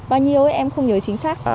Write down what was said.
bao nhiêu em không nhớ chính xác